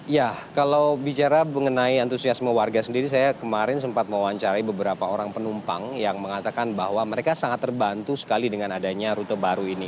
ya kalau bicara mengenai antusiasme warga sendiri saya kemarin sempat mewawancarai beberapa orang penumpang yang mengatakan bahwa mereka sangat terbantu sekali dengan adanya rute baru ini